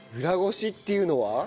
裏ごしっていうのは？